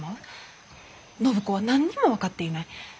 暢子は何にも分かっていない。